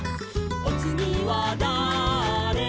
「おつぎはだあれ？」